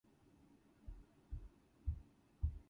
Brother Cox was the first preacher.